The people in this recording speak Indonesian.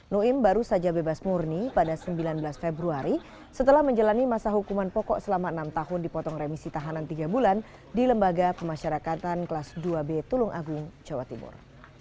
noim baru saja bebas murni pada sembilan belas februari setelah menjalani masa hukuman pokok selama enam tahun dipotong remisi tahanan tiga bulan di lembaga pemasyarakatan kelas dua b tulung agung jawa timur